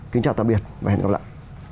kính chào tạm biệt và hẹn gặp lại